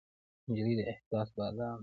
نجلۍ د احساس بادام ده.